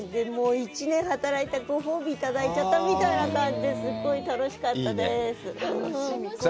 １年働いたご褒美いただいちゃったみたいな感じですごい楽しかったです。